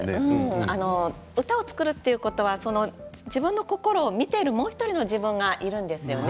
歌を作るということは自分の心を見ているもう１人の自分がいるんですね。